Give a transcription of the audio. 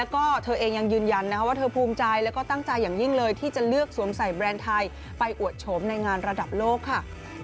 ก็เธอเองยังยืนยันว่าเธอภูมิใจแล้วก็ตั้งใจอย่างยิ่งเลยที่จะเลือกสวมใส่แบรนด์ไทยไปอวดโฉมในงานระดับโลกค่ะ